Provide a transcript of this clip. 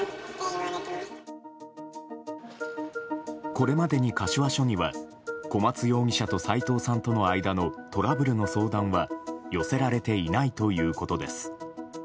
これまでに柏署には小松容疑者と斎藤さんとの間のトラブルの相談は寄せられていないということです。